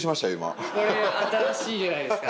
これ、新しいじゃないですか。